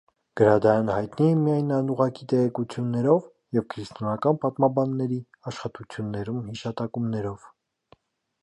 Գրադարանը հայտնի է միայն անուղղակի տեղեկություններով և քրիստոնեական պատմաբանների աշխատություններում հիշատակումներով։